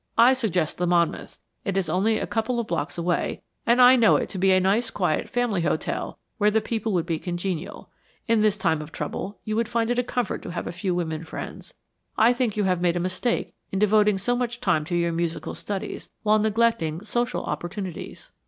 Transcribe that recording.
I suggest the Monmouth. It is only a couple of blocks away and I know it to be a nice, quiet family hotel where the people would be congenial. In this time of trouble you would find it a comfort to have a few women friends. I think you have made a mistake in devoting so much time to your musical studies, while neglecting social opportunities."